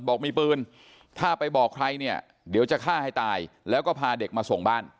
บอกมีปืนถ้าไปบอกใครเนี่ยเดี๋ยวจะฆ่าให้ตายแล้วก็พาเด็กมาส่งบ้าน